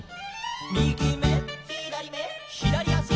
「みぎめ」「ひだりめ」「ひだりあし」